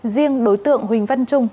riêng đối tượng huỳnh văn trung